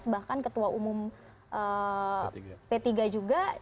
bahkan ketua umum p tiga juga